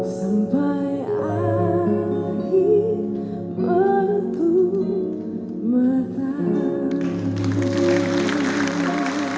sampai akhir waktu matanya